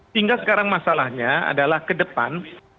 sehingga sekarang masalahnya adalah ke depan